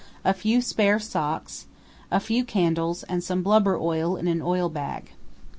A few spare socks. A few candles and some blubber oil in an oil bag.